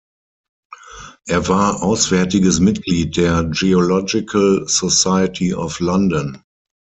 Er war auswärtiges Mitglied der Geological Society of London.